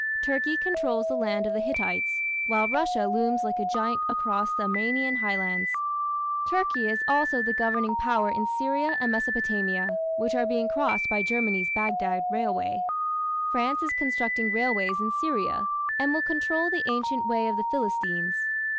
Turkey controls the land of the Hittites, while Russia looms like a giant across the Armenian highlands; Turkey is also the governing power in Syria and Mesopotamia, which are being crossed by Germany's Baghdad railway. France is constructing railways in Syria, and will control the ancient "way of the Philistines".